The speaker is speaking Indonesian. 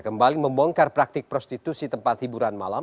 kembali membongkar praktik prostitusi tempat hiburan malam